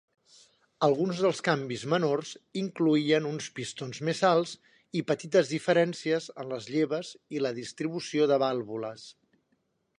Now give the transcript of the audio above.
Alguns dels canvis menors incloïen uns pistons més alts i petites diferències en les lleves i la distribució de vàlvules.